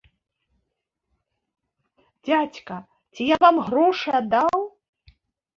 Дзядзька, ці я вам грошы аддаў?!